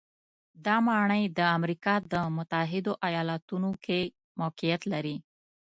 دا ماڼۍ د امریکا د متحدو ایالتونو کې موقعیت لري.